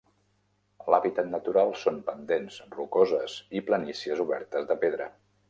L"hàbitat natural són pendents rocoses i planícies obertes de pedra.